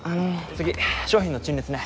次商品の陳列ね。